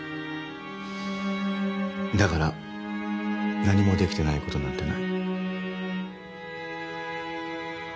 だから何もできてないことなんてない。